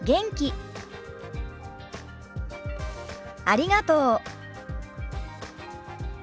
ありがとう。